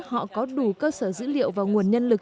họ có đủ cơ sở dữ liệu và nguồn nhân lực